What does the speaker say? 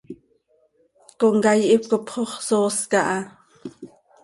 Comcaii hipcop xox soos caha.